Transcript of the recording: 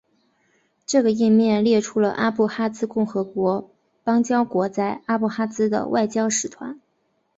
这个页面列出了阿布哈兹共和国邦交国在阿布哈兹的外交使团。